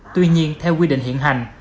tuy nhiên theo quy định hiện hành